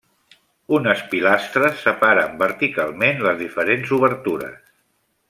Unes pilastres separen verticalment les diferents obertures.